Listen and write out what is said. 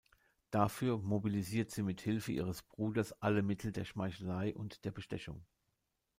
Dafür mobilisiert sie mit Hilfe ihres Bruders alle Mittel der Schmeichelei und der Bestechung.